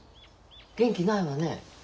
元気ないわね。